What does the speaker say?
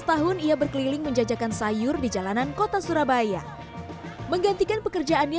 tahun ia berkeliling menjajakan sayur di jalanan kota surabaya menggantikan pekerjaannya